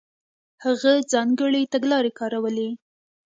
هغه ځانګړې تګلارې کارولې.